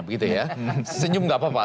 begitu ya senyum gak apa apa